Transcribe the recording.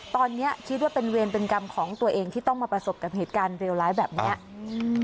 ตอนนี้คิดว่าเป็นเวรเป็นกรรมของตัวเองที่ต้องมาประสบกับเหตุการณ์เลวร้ายแบบเนี้ยอืม